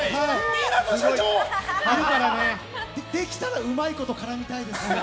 できたらうまいこと絡みたいです。